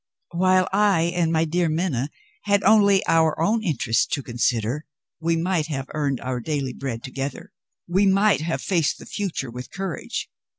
While I and my dear Minna had only our own interests to consider, we might have earned our daily bread together; we might have faced the future with courage.